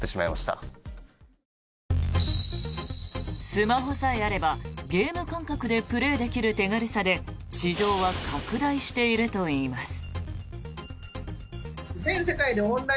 スマホさえあればゲーム感覚でプレーできる手軽さで市場は拡大しているといいます。